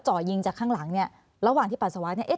จ่อยิงจากข้างหลังเนี่ยระหว่างที่ปัสสาวะเนี่ย